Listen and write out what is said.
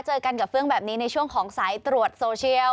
เจอกันกับเฟื่องแบบนี้ในช่วงของสายตรวจโซเชียล